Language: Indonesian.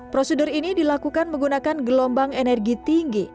prosedur ini dilakukan menggunakan gelombang energi tinggi